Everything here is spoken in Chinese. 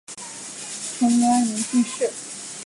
崇宁二年进士。